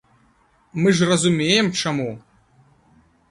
Мы ж разумеем, чаму.